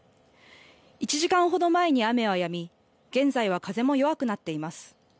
１時間ほど前に雨はやみ、現在は風も弱くなっています。